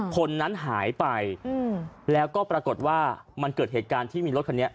คนนั้นหายไปแล้วก็ปรากฏว่ามันเกิดเหตุการณ์ที่มีรถคันนี้